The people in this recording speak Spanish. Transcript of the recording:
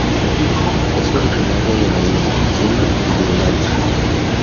Es originaria de la India, China y Birmania.